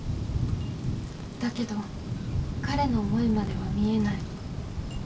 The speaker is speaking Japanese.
だけど彼の思いまでは見えない